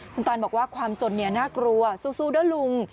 คุณตานบอกว่าความจนน่ากลัวสู้เด้อลุง